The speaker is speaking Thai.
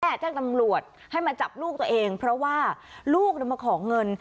แจ้งตำรวจให้มาจับลูกตัวเองเพราะว่าลูกมาขอเงิน